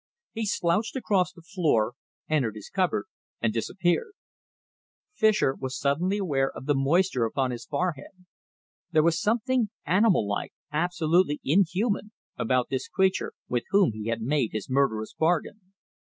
He slouched across the floor, entered his cupboard, and disappeared. Fischer was suddenly aware of the moisture upon his forehead. There was something animallike, absolutely inhuman, about this creature with whom he had made his murderous bargain.